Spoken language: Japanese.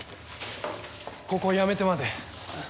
ここを辞めてまで。